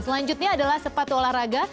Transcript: selanjutnya adalah sepatu olahraga